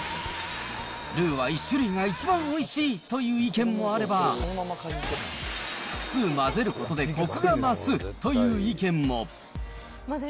ルーは１種類が一番おいしいという意見もあれば、複数混ぜることでこくが増すという意見も。